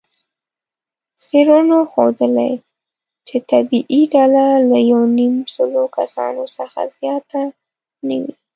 څېړنو ښودلې، چې طبیعي ډله له یونیمسلو کسانو څخه زیاته نه وي.